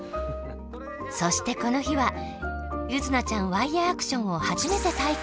そしてこの日は柚凪ちゃんワイヤーアクションをはじめて体験。